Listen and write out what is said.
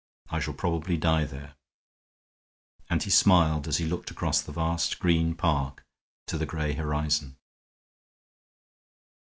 I shall probably die there." And he smiled as he looked across the vast green park to the gray horizon.